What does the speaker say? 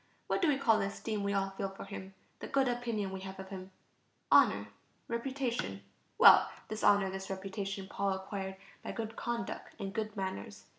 What do we call the esteem we all feel for him, the good opinion we have of him? Honor ... reputation. Well, this honor, this reputation, Paul acquired by good conduct and good manners.